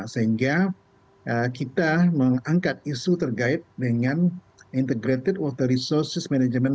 sehingga kita mengangkat isu terkait dengan integrated water resources management